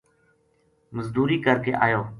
مزدوری کر کے آیو